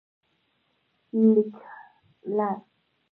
لیکلړ